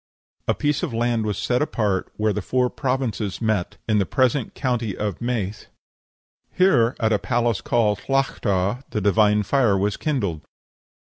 A piece of land was set apart, where the four provinces met, in the present county of Meath; here, at a palace called Tlachta, the divine fire was kindled.